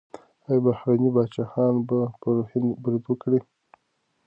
ایا بهرني پاچاهان به پر هند برید وکړي؟